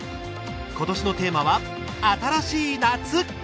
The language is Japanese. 今年のテーマは、新しい夏。